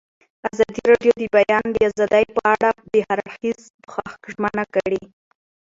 ازادي راډیو د د بیان آزادي په اړه د هر اړخیز پوښښ ژمنه کړې.